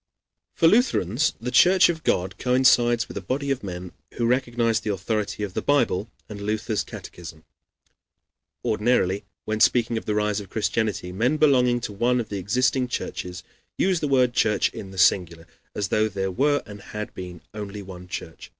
] For Lutherans the Church of God coincides with a body of men who recognize the authority of the Bible and Luther's catechism. Ordinarily, when speaking of the rise of Christianity, men belonging to one of the existing churches use the word church in the singular, as though there were and had been only one church.